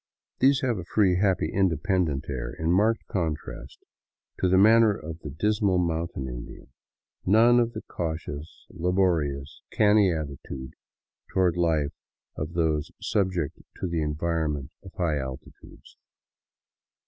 These have a free, happy, independent air, in marked contrast to the manner of the dismal mountain Indian ; none of the cautious, laborious, canny attitude toward life of those subject to the environment of high altitudes.